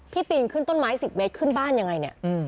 ปีนขึ้นต้นไม้๑๐เมตรขึ้นบ้านยังไงเนี่ย